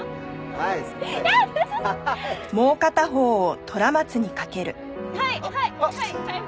はいはいはい逮捕！